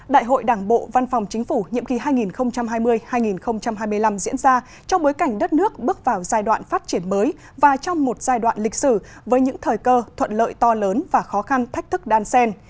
đại hội đảng bộ văn phòng chính phủ nhiệm kỳ hai nghìn hai mươi hai nghìn hai mươi năm diễn ra trong bối cảnh đất nước bước vào giai đoạn phát triển mới và trong một giai đoạn lịch sử với những thời cơ thuận lợi to lớn và khó khăn thách thức đan sen